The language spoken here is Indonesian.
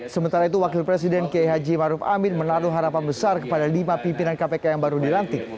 sementara itu wakil presiden kiai haji maruf amin menaruh harapan besar kepada lima pimpinan kpk yang baru dilantik